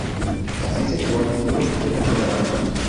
Así se creó el título de primera dama.